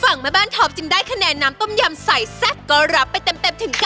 ฝั่งแม่บ้านทอบจึงได้คะแนนน้ำต้มยำใส่แซ่บก็รับไปเต็มถึง๙๖คะแนนค่ะ